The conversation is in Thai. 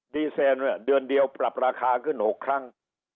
เซนเดือนเดียวปรับราคาขึ้น๖ครั้ง